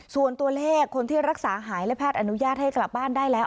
ส่วนตัวเลขคนที่รักษาหายและแพทย์อนุญาตให้กลับบ้านได้แล้ว